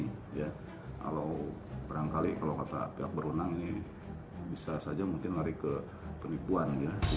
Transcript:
kalau barangkali kalau kata pihak berwenang ini bisa saja mungkin lari ke penipuan ya